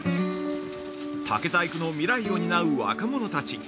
◆竹細工の未来を担う若者たち。